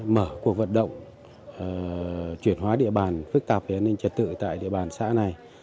mở cuộc vận động chuyển hóa địa bàn phức tạp về an ninh trật tự tại địa bàn xã này